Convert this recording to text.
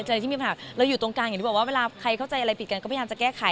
ใจที่มีปัญหาเราอยู่ตรงกลางอย่างที่บอกว่าเวลาใครเข้าใจอะไรผิดกันก็พยายามจะแก้ไข